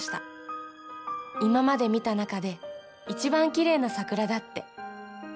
今まで見た中で一番きれいな桜だって。